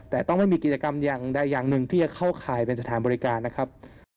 แต่ต้องไม่มีกิจกรรมอย่างใดอย่างหนึ่งที่จะเข้าข่ายเป็นสถานบริการนะครับ